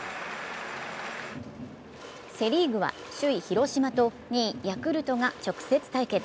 セ・リーグは首位・広島と２位・ヤクルトが直接対決。